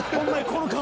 この顔。